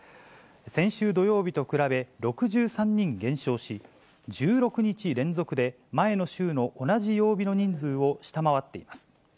先週土曜日と比べ、６３人減少し、１６日連続で、前の週の同じ曜日の人数を下回っています。